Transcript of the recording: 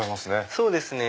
そうですね。